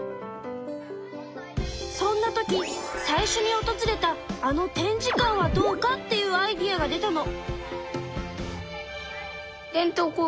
そんな時最初におとずれたあの展示館はどうかっていうアイデアが出たの。